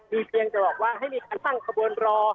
มีเพียงจะบอกว่าให้มีการตั้งขบวนรอ